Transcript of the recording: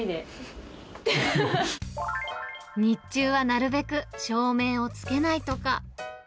日中はなるべく照明をつけないとか。